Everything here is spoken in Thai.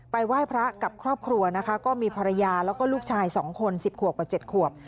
ไหว้พระกับครอบครัวนะคะก็มีภรรยาแล้วก็ลูกชาย๒คน๑๐ขวบกว่า๗ขวบ